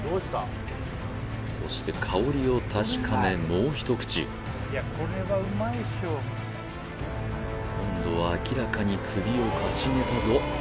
そして香りを確かめもう一口今度は明らかに首をかしげたぞ